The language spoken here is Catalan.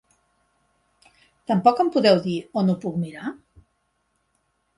Tampoc em podeu dir on ho puc mirar?